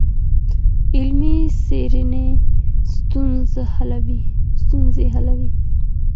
علمي څېړنه ستونزي حلوي.